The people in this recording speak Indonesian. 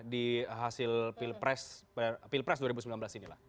di hasil pilpres dua ribu sembilan belas ini lah